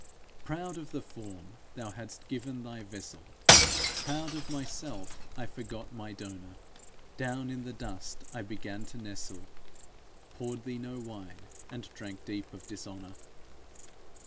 Proud of the form thou hadst given thy vessel, Proud of myself, I forgot my donor; Down in the dust I began to nestle, Poured thee no wine, and drank deep of dishonour!